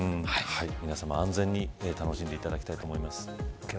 皆さま安全に楽しんでいただきたいと思います。